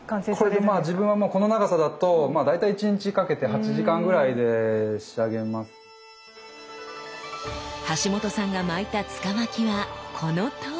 これでまあ自分はもうこの長さだと大体１日かけて橋本さんが巻いた柄巻はこのとおり！